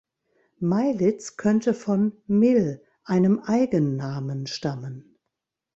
Meilitz könnte von "Mil", einem Eigennamen stammen.